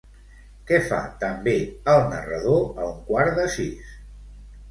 Què fa també el narrador a un quart de sis?